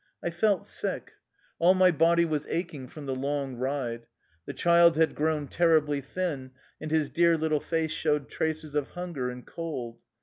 I felt sick. All my body was aching from the long ride. The child had grown terribly thin, and his dear little face showed traces of hunger and cold.